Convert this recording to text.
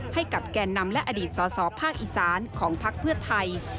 ให้กับแก่นนำและอดีตสอภาคอีสานของภักดิ์เพื่อไทย